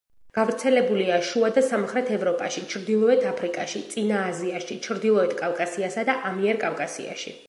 გავრცელებულია შუა და სამხრეთ ევროპაში, ჩრდილოეთ აფრიკაში, წინა აზიაში, ჩრდილოეთ კავკასიასა და ამიერკავკასიაში.